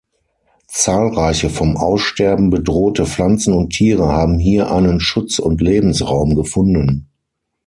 Zahlreiche vom Aussterben bedrohte Pflanzen und Tiere haben hier einen Schutz und Lebensraum gefunden.